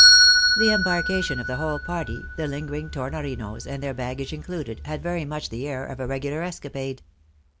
The embarkation of the whole party, the lingering Tornorinos, and their baggage included, had very much the air of a regular escapade.